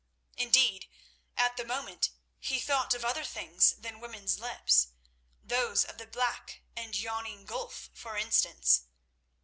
Indeed, at the moment he thought of other things than women's lips—those of the black and yawning gulf, for instance.